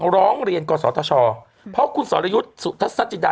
ร้องเรียนก่อนศธรศเพราะว่าคุณศรีสุวรรณจัญญา